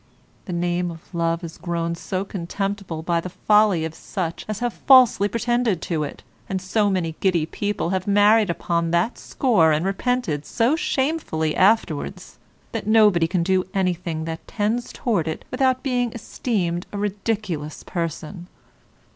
The name of love is grown so contemptible by the folly of such as have falsely pretended to it, and so many giddy people have married upon that score and repented so shamefully afterwards, that nobody can do anything that tends towards it without being esteemed a ridiculous person.